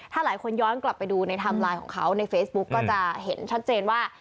ถ้าหลายคนย้อนกลับไปดูในไทม์ไลน์ของเขาในเฟซบุ๊กก็จะเห็นชัดเจนว่า